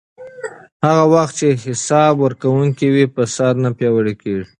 هغه وخت چې حساب ورکونه وي، فساد نه پیاوړی کېږي.